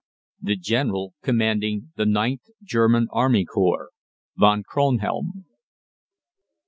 =The General Commanding the Ninth German Army Corps, VON KRONHELM.